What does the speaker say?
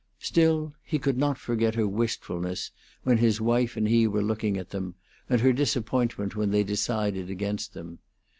Still, he could not forget her wistfulness when his wife and he were looking at them, and her disappointment when they decided against them.